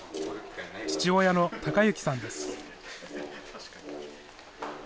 父親の崇之さんです。